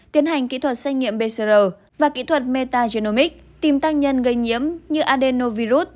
tiến hành kỹ thuật xét nghiệm pcr và kỹ thuật metagenomics tìm tác nhân gây nhiễm như adenovirus